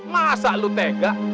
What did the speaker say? masa lu tega